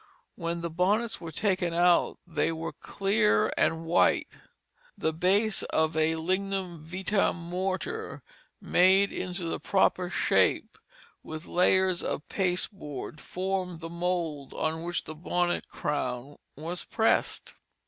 When the bonnets were taken out, they were clear and white. The base of a lignum vitæ mortar made into the proper shape with layers of pasteboard formed the mould on which the bonnet crown was pressed.